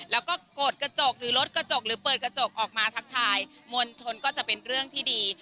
แล้วก็กดกระจกหรือลดกระจกหรือเปิดกระจกออกมาทักทายมวลชนก็จะเป็นเรื่องที่ดี